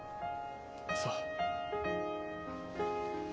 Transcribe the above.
そう。